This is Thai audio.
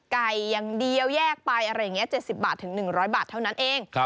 ไก่อย่างเดียวแยกไป๗๐๑๐๐บาทเท่านั้นเอง